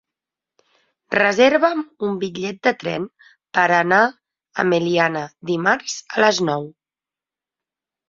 Reserva'm un bitllet de tren per anar a Meliana dimarts a les nou.